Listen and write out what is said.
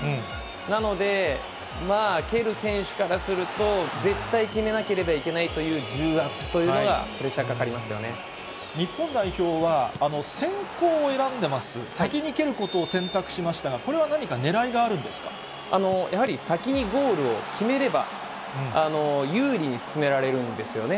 なので、蹴る選手からすると、絶対決めなければいけないという重圧というのが、日本代表は、先攻を選んでいます、先に蹴ることを選択しましたが、やはり先にゴールを決めれば、有利に進められるんですよね。